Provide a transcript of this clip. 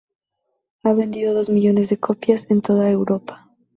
Ha vendido dos millones de copias en toda Europa.